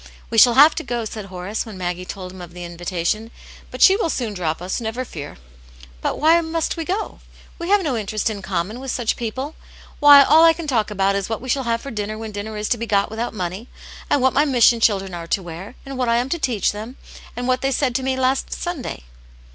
" We shall have to go," said Horace, when Maggie told him of the invitation. " But she will soon drop us, never fear." " But why must we go ? We have no interest ia common with such people. Why, all I can talk about is what we shall have for dinner when dinner is to be got without money, and what my mission children are to wear, and what I am to teach them, and what they said to me last Sunday."